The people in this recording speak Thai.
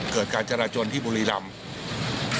การจราจนที่บุรีรำ